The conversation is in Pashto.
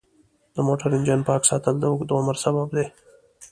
د موټر انجن پاک ساتل د اوږد عمر سبب دی.